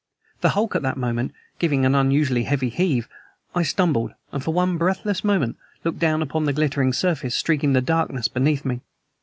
The hulk at that moment giving an unusually heavy heave, I stumbled, and for one breathless moment looked down upon the glittering surface streaking the darkness beneath me.